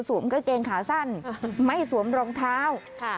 สวมเกื้อกแกงขาสั้นไม่สวมรองเท้าค่ะ